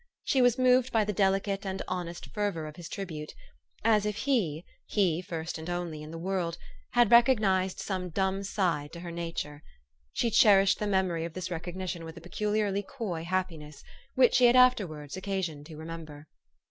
She was moved by the delicate and honest fervor of his tribute ; as if he he first and only in the world had recognized some dumb side to her nature. She cherished the memory of this recogni tion with a peculiarly coy happiness, which she had afterwards occasion to remember.